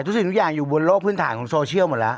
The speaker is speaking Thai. สิ่งทุกอย่างอยู่บนโลกพื้นฐานของโซเชียลหมดแล้ว